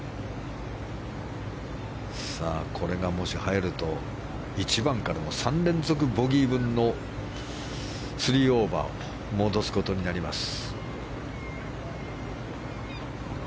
これがもし入ると１番からの３連続ボギー分の３オーバーを戻すことになります。